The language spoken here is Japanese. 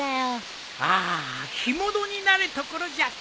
ああ干物になるところじゃった。